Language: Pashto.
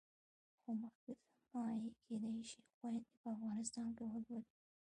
خو مخکې زما یې کېدای شي خویندې په افغانستان کې ولولي.